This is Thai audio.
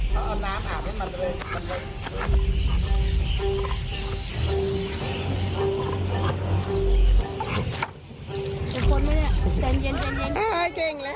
เก่งเลย